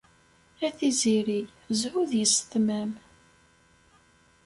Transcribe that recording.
A Tiziri, zzhu d yessetma-m.